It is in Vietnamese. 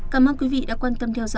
cảm ơn quý vị đã quan tâm theo dõi